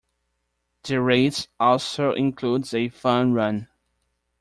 The race also includes a fun run.